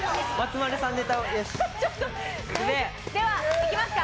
ではいきますか？